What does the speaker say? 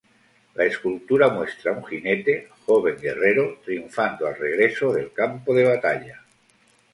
La escultura muestra un jinete -joven guerrero-, triunfando al regreso del campo de batalla.